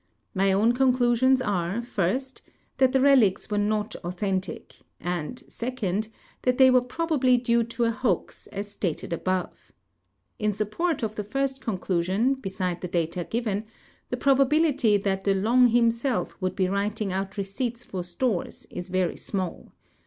iNIy oavu conclusions are, first, that the relics Avere not authentic, and, second, that they Avere probably due to a hoax, as stated above. In' support of the first conclusion, beside the data given, the probability that De Long himself would be Avriting out receipts for stores is very small.